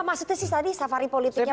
maksudnya sih tadi safari politiknya